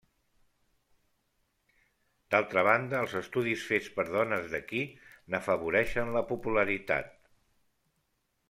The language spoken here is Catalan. D'altra banda, els estudis fets per dones d'aquí n'afavoreixen la popularitat.